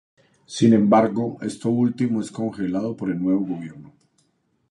Sin embargo, esto último es congelado por el nuevo gobierno.